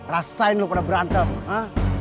rasain lu pada berantem ah